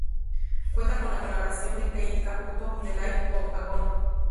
Cuenta con la colaboración de Keith Caputo, de Life of Agony.